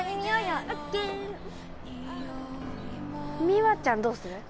三和ちゃんどうする？